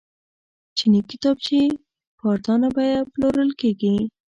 چیني کتابچې په ارزانه بیه پلورل کیږي.